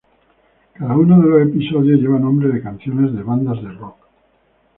Cada uno de los episodios llevan nombres de canciones de bandas de rock.